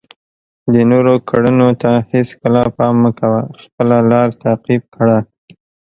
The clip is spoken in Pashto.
د نورو کړنو ته هیڅکله پام مه کوه، خپله لاره تعقیب کړه.